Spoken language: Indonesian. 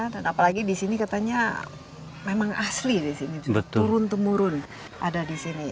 dan apalagi disini katanya memang asli disini turun temurun ada disini